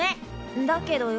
んだけどよ